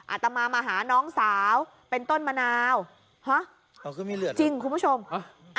อาตมามาหาน้องสาวเป็นต้นมะนาวฮะอ๋อก็ไม่เหลือจริงคุณผู้ชมฮะ